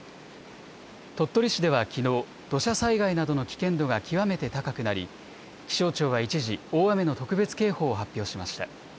鳥取市ではきのう土砂災害などの危険度が極めて高くなり気象庁は一時、大雨の特別警報を発表しました。